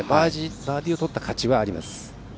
バーディーをとった価値はあります。